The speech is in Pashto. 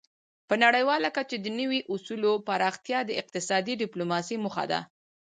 په نړیواله کچه د نوي اصولو پراختیا د اقتصادي ډیپلوماسي موخه ده